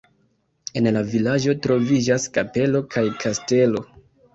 En la vilaĝo troviĝas kapelo kaj kastelo.